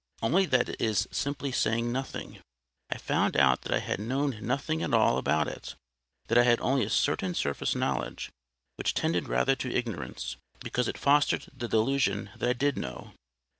Only that is simply saying nothing. I found out that I had known nothing at all about it; that I had only a certain surface knowledge, which tended rather to ignorance, because it fostered the delusion that I did know.